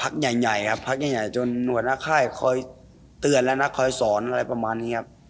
ก็ค่อยตื่นแล้วนะคะค่อยสอนอะไรประมาณนี้ครับ